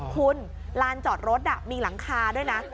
คุณลานจอดรถมีหลังคาด้วยนะ